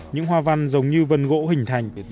những hoa văn giống như vần gỗ hình thành